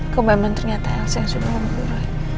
kau memang ternyata elsa yang sudah membunuh roy